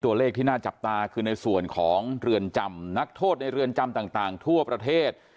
ตัวเลขที่น่าจับตาคือในส่วนของเรือนจำนักโทษในเรือนจำต่างทั่วประเทศ